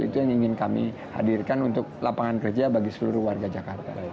itu yang ingin kami hadirkan untuk lapangan kerja bagi seluruh warga jakarta